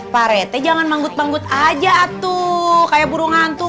pak rete jangan manggut manggut aja tuh kayak burung hantu